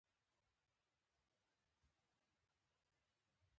خړې خړۍ کوڅې